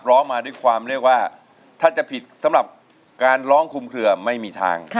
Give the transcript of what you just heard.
ร้องมาด้วยความเรียกว่าถ้าจะผิดสำหรับการร้องคุมเคลือไม่มีทาง